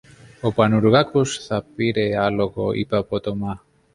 Ο Πανουργάκος θα πήρε άλογο, είπε απότομα.